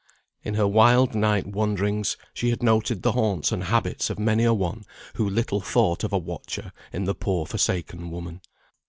In her wild night wanderings, she had noted the haunts and habits of many a one who little thought of a watcher in the poor forsaken woman.